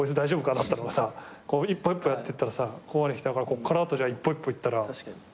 だったのが一歩一歩やってったらここまで来たからここから一歩一歩行ったら。